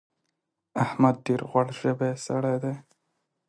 احمد ډېر غوړ ژبی سړی دی.